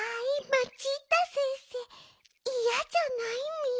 マチータ先生いやじゃないミ？